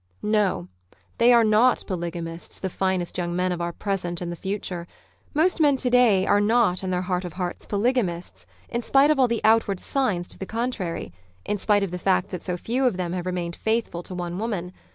No They are not polygamists, the finest young men of the present and of the future. Most men to day are not in their heart of hearts polygamists, in spite of all the outward signs to the contrary; in spi e Society i°3 of the fact that so few of them have remained faithful to one woman.